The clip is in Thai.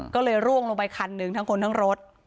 ก็เลยร่วงลงไปคันหนึ่งทั้งคนทั้งรถ